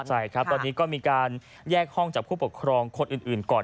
ใช่ครับตอนนี้ก็มีการแยกห้องจากผู้ปกครองคนอื่นก่อน